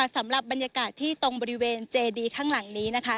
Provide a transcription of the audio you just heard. สำหรับบรรยากาศที่ตรงบริเวณเจดีข้างหลังนี้นะคะ